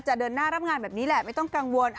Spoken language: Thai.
เดินหน้ารับงานแบบนี้แหละไม่ต้องกังวล